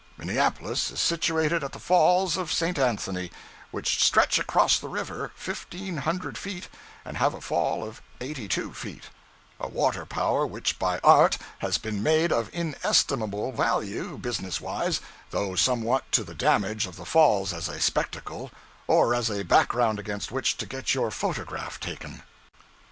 Minneapolis is situated at the falls of St. Anthony, which stretch across the river, fifteen hundred feet, and have a fall of eighty two feet a waterpower which, by art, has been made of inestimable value, business wise, though somewhat to the damage of the Falls as a spectacle, or as a background against which to get your photograph taken.